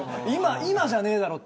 今じゃねえだろって。